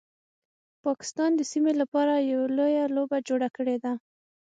پاکستان د سیمې لپاره یو لویه لوبه جوړه کړیده